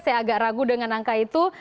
saya agak ragu dengan angka itu